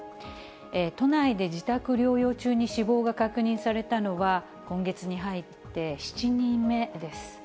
都内で自宅療養中に死亡が確認されたのは、今月に入って７人目です。